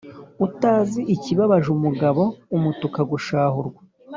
Utazi ikibabaje umugabo amutuka gushahurwa.